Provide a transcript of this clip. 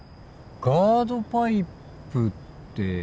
ガードパイプって。